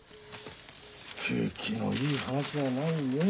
景気のいい話はないねえ。